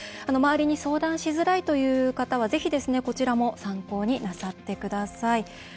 周りに相談しづらいという方はぜひ、こちらも参考になさってください。